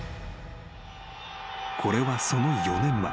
［これはその４年前］